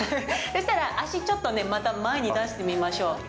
そしたら足をちょっと前に出してみましょう。